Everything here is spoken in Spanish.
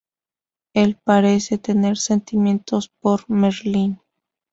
Él parece tener sentimientos por Merlin.